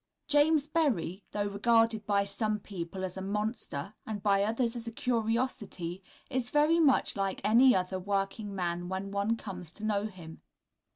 James Berry, though regarded by some people as a monster, and by others as a curiosity, is very much like any other working man when one comes to know him.